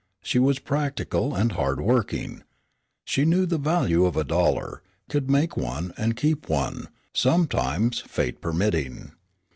She was practical and hard working. She knew the value of a dollar, could make one and keep one, sometimes fate permitting.